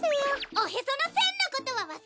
おへそのせんのことはわすれすぎる！